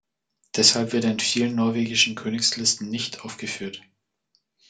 Deshalb wird er in vielen norwegischen Königslisten nicht aufgeführt.